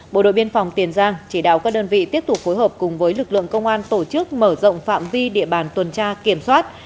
bộ đội biên phòng tiền giang chỉ đạo các đơn vị tiếp tục phối hợp cùng với lực lượng công an tổ chức mở rộng phạm vi địa bàn tuần tra kiểm soát